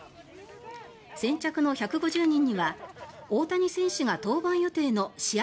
先着の１５０人には大谷選手が登板予定の試合